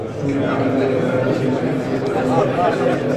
আবার দেখা যায়, রানা প্লাজার মতো দুর্ঘটনায় মানুষের পাশে গিয়ে দাঁড়িয়েছেন তরুণেরা।